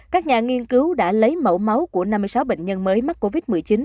các nhà nghiên cứu đã lấy mẫu máu của năm mươi sáu bệnh nhân mới mắc covid một mươi chín